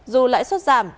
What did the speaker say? dù lãi suất giảm